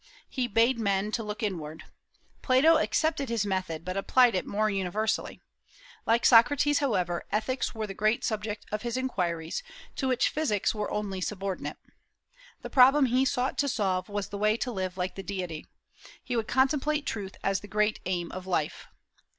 He bade men to look inward. Plato accepted his method, but applied it more universally. Like Socrates, however, ethics were the great subject of his inquiries, to which physics were only subordinate. The problem he sought to solve was the way to live like the Deity; he would contemplate truth as the great aim of life.